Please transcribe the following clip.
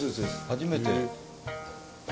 初めて。